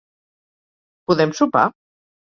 Podem sopar?